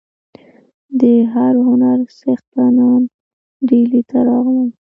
د هر هنر څښتنان ډهلي ته راغلل.